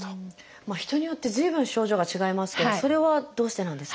人によって随分症状が違いますけどそれはどうしてなんですか？